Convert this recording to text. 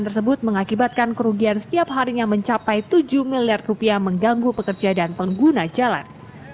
tersebut mengakibatkan kerugian setiap harinya mencapai tujuh miliar rupiah mengganggu pekerja dan pengguna jalan